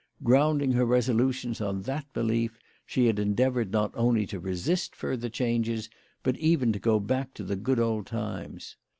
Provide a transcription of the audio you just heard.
Grounding her resolutions on that belief, she had endeavoured not only to resist further changes, but even to go back to the good old times.